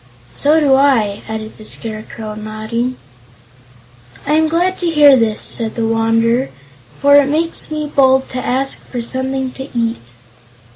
"So do I," added the Scarecrow, nodding. "I am glad to hear this," said the Wanderer, "for it makes me bold to ask for something to eat."